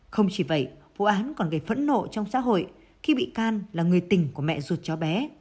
không chỉ vậy vụ án còn gây phẫn nộ trong xã hội khi bị can là người tình của mẹ ruột cháu bé